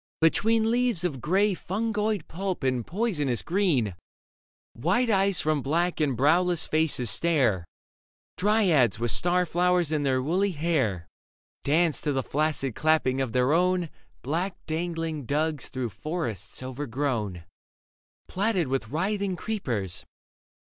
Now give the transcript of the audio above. Between Leaves of grey fungoid pulp and poisonous green, White eyes from black and browless faces stare. Dryads with star flowers in their woolly hair Dance to the flaccid clapping of their own Black dangling dugs through forests overgrown, Platted with writhing creepers.